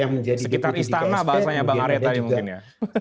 sekitar istana bahasanya bang arief tadi mungkin ya